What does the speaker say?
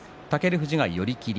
富士が寄り切り。